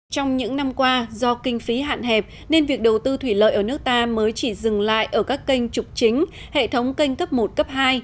trong những năm qua do kinh phí hạn hẹp nên việc đầu tư thủy lợi ở nước ta mới chỉ dừng lại ở các kênh trục chính hệ thống kênh cấp một cấp hai